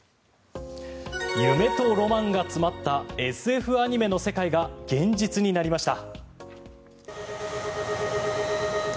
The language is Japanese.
夢とロマンが詰まったＳＦアニメの世界が現実になりました。